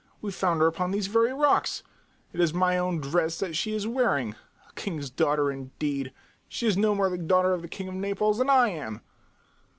We found her upon these very rocks. It is my own dress that she is wearing. A king's daughter, indeed! She is no more the daughter of the king of Naples than I am!"